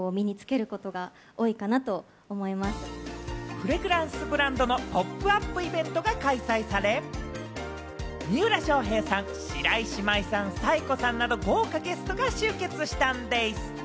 フレグランスブランドのポップアップイベントが開催され、三浦翔平さん、白石麻衣さん、紗栄子さんなど豪華ゲストが集結したんです。